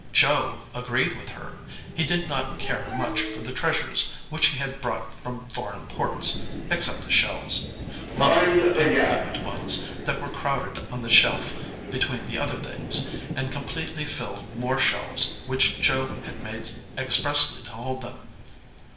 Joe agreed with her. He did not care much for the treasures which he had brought from for eign ports, except the shells lovely, pinked lipped ones that were crowded on the shelf between the other things, and completely filled more shelves which Joe had made expressly to hold them.